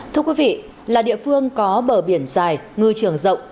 thưa quý vị là địa phương có bờ biển dài ngư trường rộng